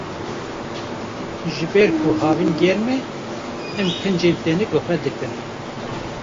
Ji ber ku havîn germ e, em kincên tenik li xwe dikin.